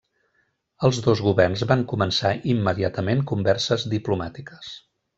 Els dos governs van començar immediatament converses diplomàtiques.